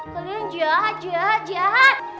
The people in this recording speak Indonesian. kalian jahat jahat jahat